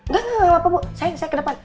gak gak gak apa apa bu saya saya ke depan